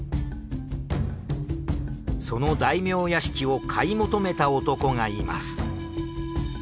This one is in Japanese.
その大名屋敷を買い求めた男がいます。